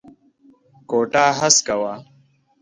کوټه هسکه وه.